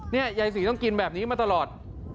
นี่ยายศรีต้องกินแบบนี้มาตลอด